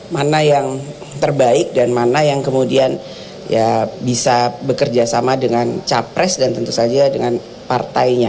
mana yang terbaik dan mana yang kemudian bisa bekerja sama dengan capres dan tentu saja dengan partainya